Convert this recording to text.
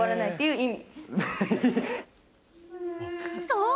そう！